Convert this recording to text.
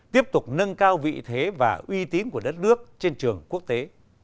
tiếp tục nâng cao vị thế và uy tín của đất nước trên trường quốc tế